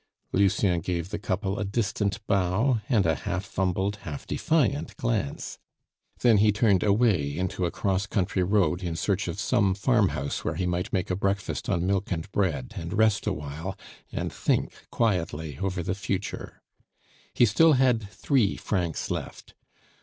Lucien gave the couple a distant bow and a half humbled half defiant glance; then he turned away into a cross country road in search of some farmhouse, where he might make a breakfast on milk and bread, and rest awhile, and think quietly over the future. He still had three francs left.